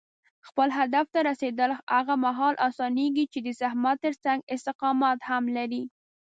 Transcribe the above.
خپل هدف ته رسېدل هغه مهال اسانېږي چې د زحمت ترڅنګ استقامت هم لرې.